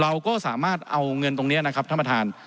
เราก็สามารถเอาเงินตรงนี้นะครับท่านประธาน